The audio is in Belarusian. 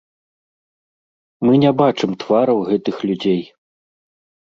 Мы не бачым твараў гэтых людзей.